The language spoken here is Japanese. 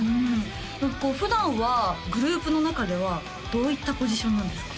こう普段はグループの中ではどういったポジションなんですか？